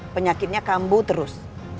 penyakitnya kambu terus